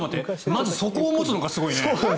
まずそこを持つのがすごいね。